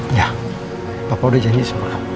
iya bapak udah janji semalam bapak akan puas